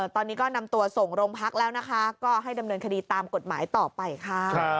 ตอนนี้ก็นำตัวส่งโรงพักแล้วนะคะก็ให้ดำเนินคดีตามกฎหมายต่อไปค่ะ